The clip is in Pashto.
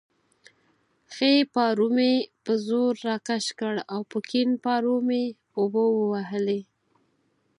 ښی پارو مې په زور راکش کړ او په کیڼ پارو مې اوبه ووهلې.